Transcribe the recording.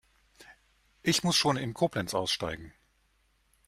Ich muss schon in Koblenz aussteigen